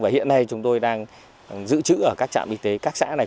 và hiện nay chúng tôi đang giữ chữ ở các trạm y tế các xã này